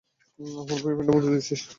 আমার ভয়ে প্যান্টে মুতে দিয়েছিস।